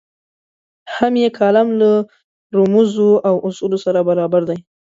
هم یې کالم له رموزو او اصولو سره برابر دی.